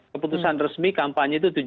keputusan resmi kampanye itu tujuh puluh lima hari